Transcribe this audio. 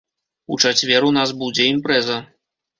У чацвер у нас будзе імпрэза.